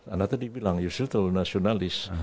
anda tadi bilang yusril terlalu nasionalis